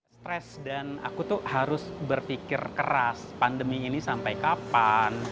stres dan aku tuh harus berpikir keras pandemi ini sampai kapan